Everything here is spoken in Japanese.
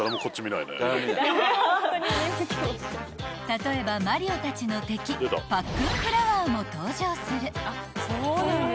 ［例えばマリオたちの敵パックンフラワーも登場する］